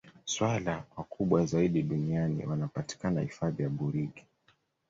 swala wakubwa zaidi duniani wanapatikana hifadhi ya burigi